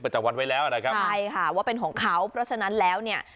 ใช่ค่ะว่าเป็นของเขาเพราะฉะนั้นแล้วเนี่ย